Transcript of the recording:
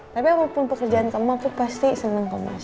tapi apapun pekerjaan kamu aku pasti senang kok mas